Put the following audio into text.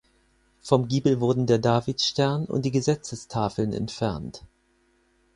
Vom Giebel wurden der Davidstern und die Gesetzestafeln entfernt.